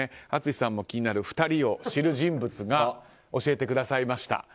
淳さんも気になる２人を知る人物が教えてくださいました。